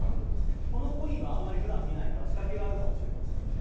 このコインはあんまりふだん見ないから、仕掛けがあるかもしれませんよね。